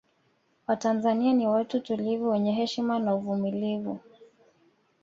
Watanzania ni watu tulivu wenye heshima na uvumulivu